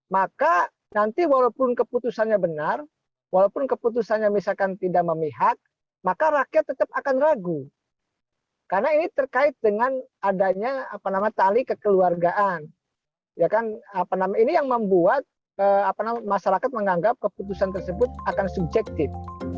masyarakat menganggap keputusan tersebut akan subjektif